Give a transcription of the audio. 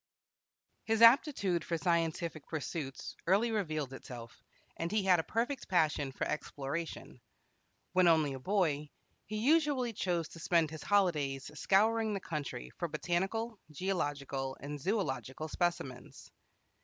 His aptitude for scientific pursuits early revealed itself, and he had a perfect passion for exploration. When only a boy, he usually chose to spend his holidays scouring the country for botanical, geological, and zoological specimens.